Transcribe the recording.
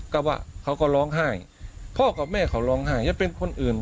ก็ว่าเขาก็ร้องไห้พ่อกับแม่เขาร้องไห้จะเป็นคนอื่น